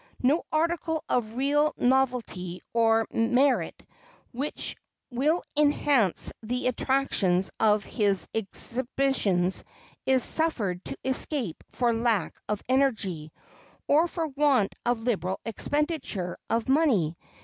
No article of real novelty or merit which will enhance the attractions of his exhibitions is suffered to escape for lack of energy, or for want of liberal expenditure of money.